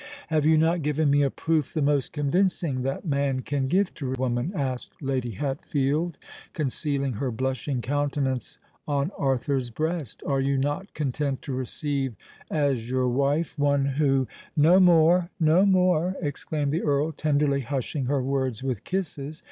"Have you not given me a proof the most convincing that man can give to woman?" asked Lady Hatfield, concealing her blushing countenance on Arthur's breast. "Are you not content to receive as your wife one who——" "No more—no more!" exclaimed the Earl, tenderly hushing her words with kisses.